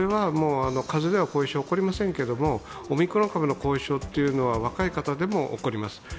風邪では後遺症は起こりませんけどもオミクロン株の後遺症というのは若い方でも起こります。